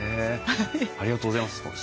ありがとうございます。